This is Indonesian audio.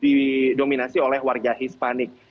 di dominasi oleh warga hispanik